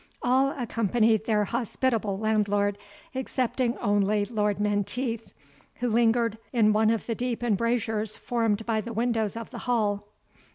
All accompanied their hospitable landlord excepting only Lord Menteith, who lingered in one of the deep embrasures formed by the windows of the hall.